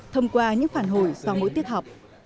thông qua những phản hồi sau mỗi tiết học